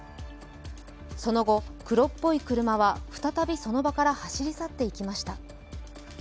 その後、黒っぽい車は再びその場から走り去っていきました。